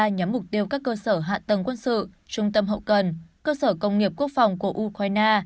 nhắm mục tiêu các cơ sở hạ tầng quân sự trung tâm hậu cần cơ sở công nghiệp quốc phòng của ukraine